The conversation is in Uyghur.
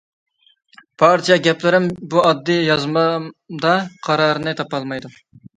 بارچە گەپلىرىم بۇ ئاددىي يازمامدا قارارىنى تاپالمايدۇ.